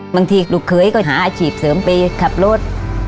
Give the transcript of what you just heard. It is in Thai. ลูกเคยก็หาอาชีพเสริมไปขับรถ